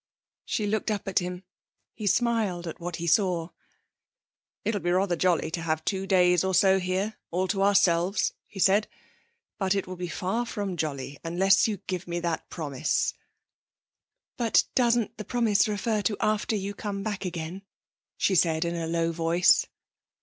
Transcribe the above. She looked up at him. He smiled at what he saw. 'It'll be rather jolly to have two days or so here all to ourselves,' he said, 'but it will be far from jolly unless you give me that promise.' 'But doesn't the promise refer to after you come back again?' she said in a low voice.